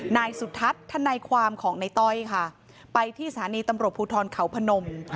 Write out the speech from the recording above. นายสุทัศน์ธนายความของในต้อยค่ะไปที่สถานีตำรวจภูทรเขาพนม